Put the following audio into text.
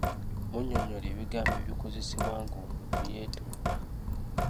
Munnyonnyole ebigambo ebikozesebwa nga omuntu yeetonda.